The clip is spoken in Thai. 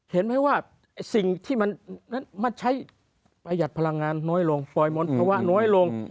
เห็นไหมว่าสิ่งที่มันใช้ประหยัดพลังงานน้อยลงปล่อยมลภาวะน้อยลง